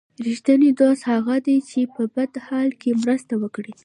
رښتینی دوست هغه دی چې په بد حال کې مرسته وکړي.